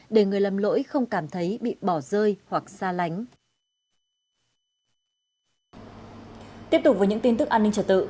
để người lầm lỗi không cảm thấy bị bỏ rơi hoặc xa lánh